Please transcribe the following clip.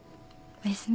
おやすみ。